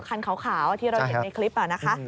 คันขาวที่เราเห็นในคลิปนะคะ